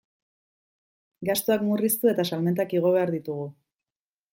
Gastuak murriztu eta salmentak igo behar ditugu.